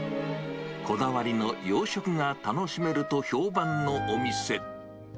こだわりの洋食が楽しめると評判のお店。